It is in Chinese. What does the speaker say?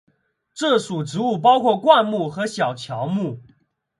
这属植物包括灌木和小乔木。